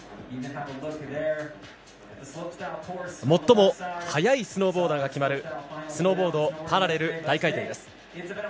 最も速いスノーボーダーが決まるスノーボードパラレル大回転です。